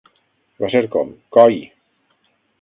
Va ser com: "Coi!".